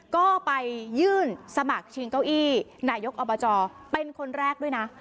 ก็ไปยื่นสมัครชิงเก้าอี้นายกอบจเป็นคนแรกด้วยนะ